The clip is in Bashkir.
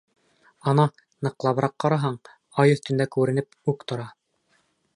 Ана, ныҡлабыраҡ ҡараһаң, ай өҫтөндә күренеп үк тора.